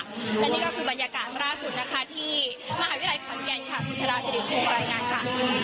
และนี่ก็คือบรรยากาศล่าสุดนะคะที่มหาวิทยาลัยขอนแก่นค่ะคุณชราศิริภูมิรายงานค่ะ